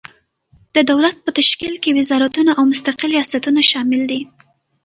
د دولت په تشکیل کې وزارتونه او مستقل ریاستونه شامل دي.